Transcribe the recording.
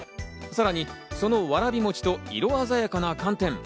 さらにそのわらび餅と、色鮮やかな寒天。